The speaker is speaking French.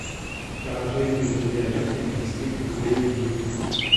Karaköy est aujourd'hui un quartier du district de Beyoğlu.